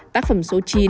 tác phẩm số chín